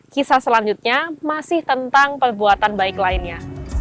kisah selanjutnya masih tentang perbuatan baik lainnya